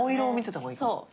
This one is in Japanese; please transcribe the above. そう。